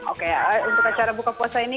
oke untuk acara buka puasa ini